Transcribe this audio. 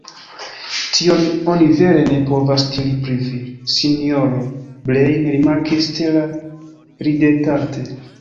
Tion oni vere ne povas diri pri vi, sinjoro Breine, rimarkis Stella ridetante.